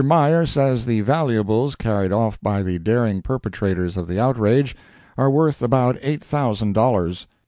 Meyer says the valuables carried off by the daring perpetrators of the outrage, are worth about eight thousand dollars.